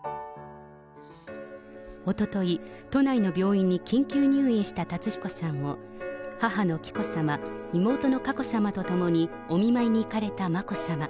おととい、都内の病院に緊急入院した辰彦さんを、母の紀子さま、妹の佳子さまと共にお見舞いに行かれた眞子さま。